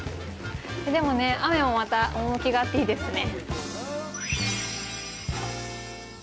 でも、雨もまた趣があって、いいですね。